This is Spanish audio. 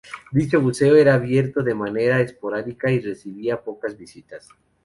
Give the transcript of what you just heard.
Dicho museo era abierto de manera esporádica y recibía pocas visitas.